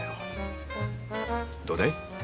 どうだい？